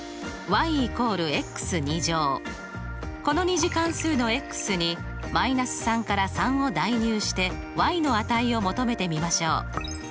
この２次関数のに−３から３を代入しての値を求めてみましょう。